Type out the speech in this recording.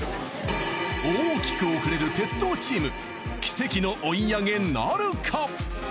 大きく遅れる鉄道チーム奇跡の追い上げなるか！？